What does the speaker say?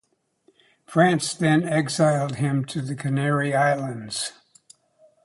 Franco then exiled him to the Canary Islands.